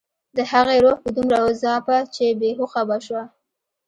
د هغې روح به دومره وځاپه چې بې هوښه به شوه